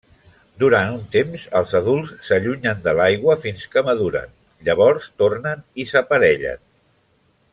Durant un temps els adults s'allunyen de l'aigua fins que maduren; llavors tornen i s'aparellen.